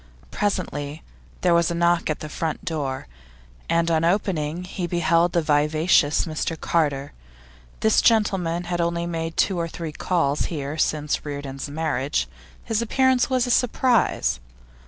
Presently there was a knock at the front door, and on opening he beheld the vivacious Mr Carter. This gentleman had only made two or three calls here since Reardon's marriage; his appearance was a surprise.